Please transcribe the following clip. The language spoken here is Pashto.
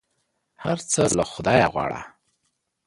هر څه له خدایه غواړه !